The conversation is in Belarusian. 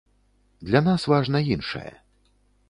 Для нас важна іншае.